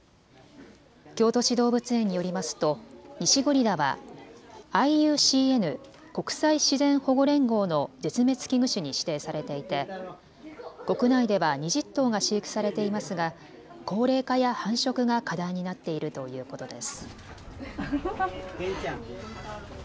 京都市動物園によりますとニシゴリラはＩＵＣＮ・国際自然保護連合の絶滅危惧種に指定されていて国内では２０頭が飼育されていますが高齢化や繁殖が課題になっているということです。